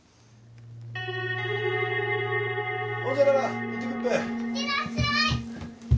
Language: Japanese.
いってらっしゃい。